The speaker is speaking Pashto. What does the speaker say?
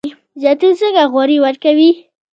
زیتون څنګه غوړي ورکوي؟